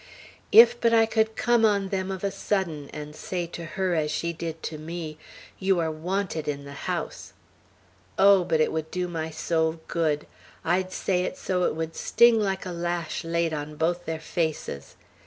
"If but I could come on them of a sudden, and say to her as she did to me, 'You are wanted in the house'! Oh, but it would do my soul good! I'd say it so it would sting like a lash laid on both their faces!